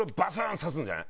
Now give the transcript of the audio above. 刺すんじゃない？